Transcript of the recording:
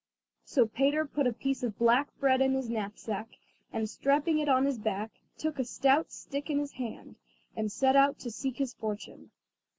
So Peter put a piece of black bread in his knapsack, and strapping it on his back, took a stout stick in his hand, and set out to seek his fortune.